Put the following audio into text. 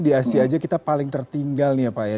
di asia saja kita paling tertinggal nih ya pak ya